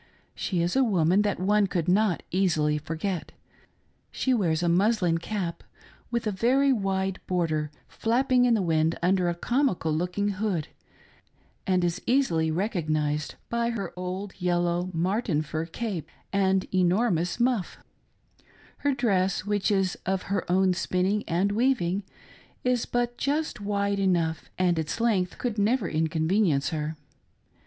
She is a woman that one could not easily forget. She wears a muslin cap with a very wide border flapping vn the wind under a comical looking hood, and is easily recog~ nised by her old yellow marten fur cape and enormous muff : her dress, which is of her own spinning and weaving, is but just wide enough, and its length could never inconvenience her.